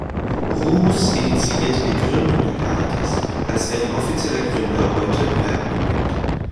Roos initiierte die Gründung der Caritas, als deren offizieller Gründer heute Werthmann gilt.